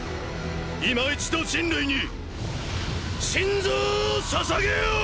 今一度人類に心臓を捧げよ！！